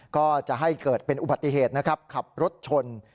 ก็จะให้เกิดเป็นอุบัติเหตุนะครับขับรถชน